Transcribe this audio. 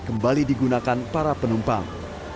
kembali digunakan para penumpang